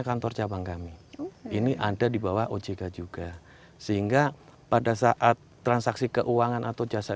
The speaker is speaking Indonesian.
kantor cabang kami ini ada di bawah ojk juga sehingga pada saat transaksi keuangan atau jasa